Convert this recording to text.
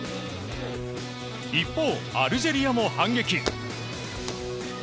一方、アルジェリアも反撃。